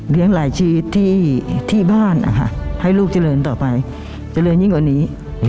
หลายชีวิตที่บ้านนะคะให้ลูกเจริญต่อไปเจริญยิ่งกว่านี้